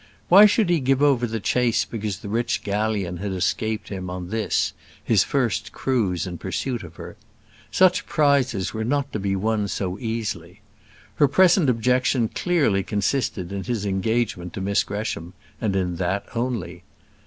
Why should he give over the chase because the rich galleon had escaped him on this, his first cruise in pursuit of her? Such prizes were not to be won so easily. Her present objection clearly consisted in his engagement to Miss Gresham, and in that only.